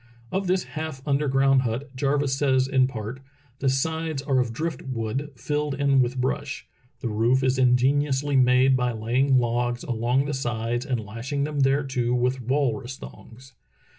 Of this half underground hut Jarvis says in part: "The sides are of drift wood, filled in with brush. The roof is ingeniously made by laying logs along the sides and lashing them thereto with walrus thongs.